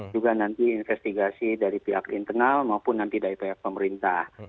juga nanti investigasi dari pihak internal maupun nanti dari pihak pemerintah